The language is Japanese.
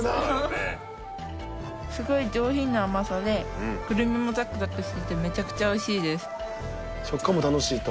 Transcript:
すごい上品な甘さでくるみもザクザクしててめちゃくちゃおいしいです食感も楽しいと？